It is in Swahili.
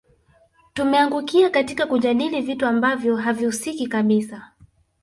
Tumeangukia katika kujadili vitu ambavyo havihusiki kabisa